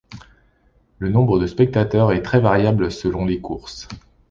Le nombre de spectateurs est très variable selon les courses.